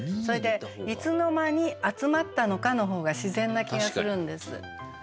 それで「いつの間に集まったのか」の方が自然な気がするんです。